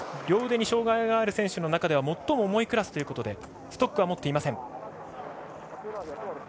両腕に障がいがある中で最も重いクラスということでストックは持っていません。